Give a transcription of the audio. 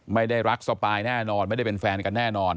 ไม่ได้รักสปายแน่นอนไม่ได้เป็นแฟนกันแน่นอน